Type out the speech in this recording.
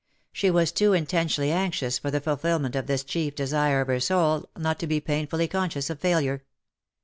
She was too in tensely anxious for the fulfilment of this chief desire of her soul not to be painfully conscious of failure.